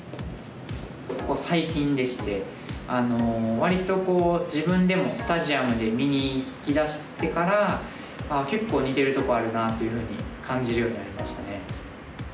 割と自分でもスタジアムで見に行きだしてから結構似てるところあるなというふうに感じるようになりましたね。